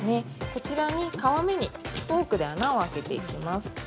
こちらに、皮目にフォークで穴をあけていきます。